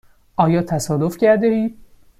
آیا تصادف کرده اید؟